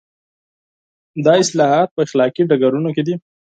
دا اصلاحات په اخلاقي ډګرونو کې دي.